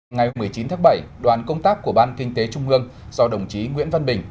ngày một mươi chín tháng bảy đoàn công tác của ban kinh tế trung ương do đồng chí nguyễn văn bình